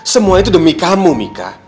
semua itu demi kamu mika